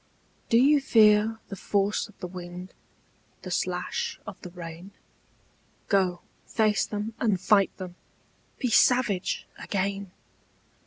DO you fear the force of the wind, The slash of the rain? Go face them and fight them, Be savage again.